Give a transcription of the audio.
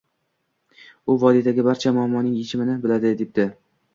U vodiydagi barcha muammoning yechimini biladi, — debdi